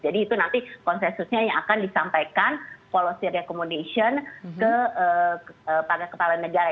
jadi itu nanti konsensusnya yang akan disampaikan policy recommendation kepada kepala negara